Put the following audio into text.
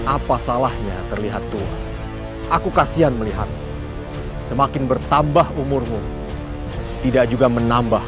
apa salahnya terlihat tuh aku kasian melihat semakin bertambah umurmu tidak juga menambah